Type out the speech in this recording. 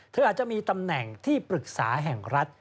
อาจจะมีตำแหน่งที่ปรึกษาแห่งรัฐ